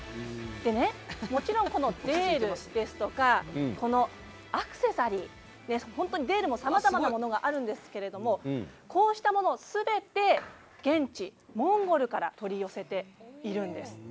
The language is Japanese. もちろんこのデールですとかアクセサリー、デールもさまざまなものがあるんですがこうしたものはすべて現地モンゴルから取り寄せているんです。